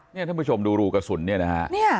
นี่ท่านผู้ชมดูรูกระสุนเนี่ยนะฮะ